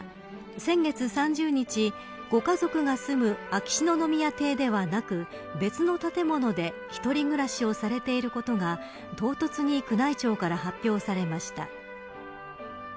先月３０日ご家族が住む秋篠宮邸ではなく別の建物で一人暮らしをされていることが唐突に宮内庁から発表されました。